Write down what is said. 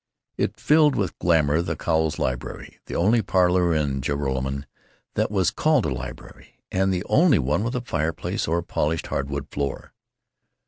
It filled with glamour the Cowles library—the only parlor in Joralemon that was called a library, and the only one with a fireplace or a polished hardwood floor.